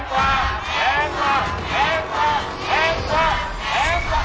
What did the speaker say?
แพงกว่า